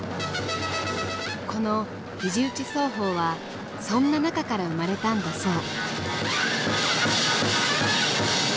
この「肘打ち奏法」はそんな中から生まれたんだそう。